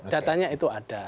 datanya itu ada